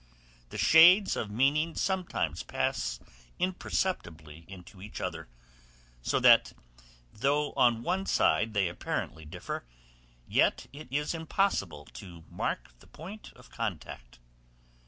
The shades of meaning sometimes pass imperceptibly into each other, so that though on one side they apparently differ, yet it is impossible to mark the point of contact.